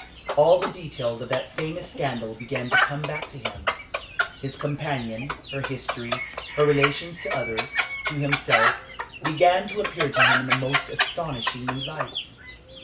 All the details of that famous scandal began to come back to him. His companion, her history, her relations to others, to himself, began to appear to him in the most astonishing new lights.